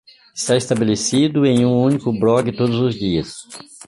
Está estabelecido em um único blog todos os dias.